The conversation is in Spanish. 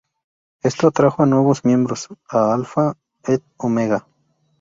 Esto atrajo a nuevos miembros a "Alpha et Omega".